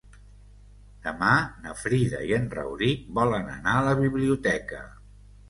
Demà na Frida i en Rauric volen anar a la biblioteca.